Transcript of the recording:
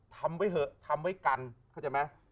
ทำไว้เถอะทำไว้กันเข้าใจไหม